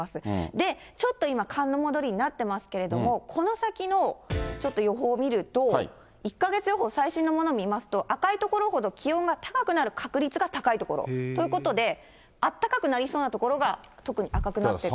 で、ちょっと今、寒の戻りになってますけれども、この先のちょっと予報を見ると、１か月予報、最新のものを見ますと、赤い所ほど気温が高くなる確率が高い所ということで、あったかくなりそうな所が、特に赤くなっていると。